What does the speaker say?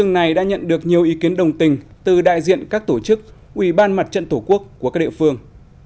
này đã nhận được nhiều ý kiến đồng tình từ đại diện các tổ chức ủy ban mặt trận tổ quốc của các địa phương